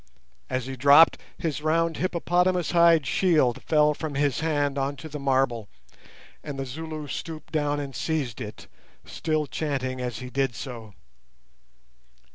As he dropped, his round hippopotamus hide shield fell from his hand on to the marble, and the Zulu stooped down and seized it, still chanting as he did so.